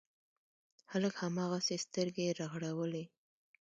هلک هماغسې سترګې رغړولې.